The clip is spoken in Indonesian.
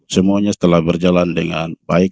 semuanya setelah berjalan dengan baik